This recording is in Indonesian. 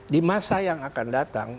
di masa yang akan datang